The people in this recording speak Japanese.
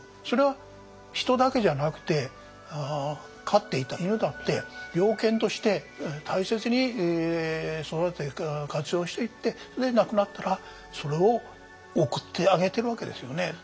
それは人だけじゃなくて飼っていた犬だって猟犬として大切に育てて活用していってで亡くなったらそれを送ってあげてるわけですよね。